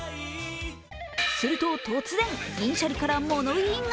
すると突然、銀シャリから物言いが。